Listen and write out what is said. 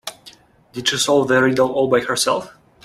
Did she solve the riddle all by herself?